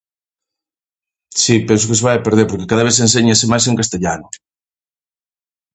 Si, penso que se vai a perder porque cada ves enseñase máis en castellano.